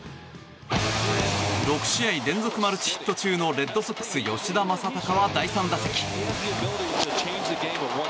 ６試合連続マルチヒット中のレッドソックス吉田正尚は第３打席。